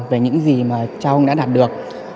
về những gì mà cha ông đã đạt được